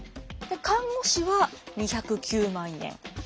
看護師は２０９万円。